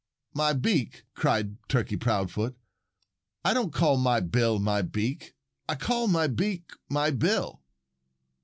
"My beak!" cried Turkey Proudfoot. "I don't call my bill my beak. I call my beak my bill."